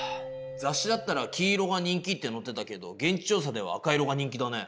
雑誌だったら黄色が人気ってのってたけど現地調査では赤色が人気だね。